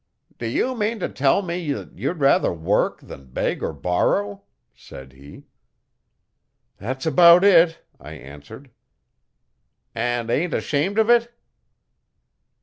'Do you mean to tell me that you'd rather work than beg or borrow?' said he. 'That's about it,' I answered. 'And ain't ashamed of it?